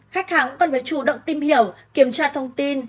khách hàng cần phải chủ động tìm hiểu kiểm tra thông tin